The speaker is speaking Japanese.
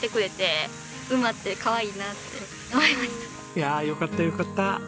いやあよかったよかった！